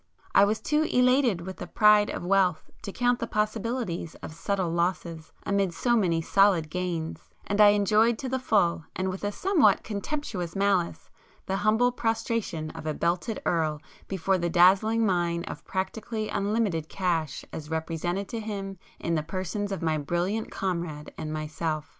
I was too elated with the pride of wealth to count the possibilities of subtle losses amid so many solid gains; and I enjoyed to the full and with a somewhat contemptuous malice the humble prostration of a 'belted Earl' before the dazzling mine of practically unlimited cash as represented to him in the persons of my brilliant comrade and myself.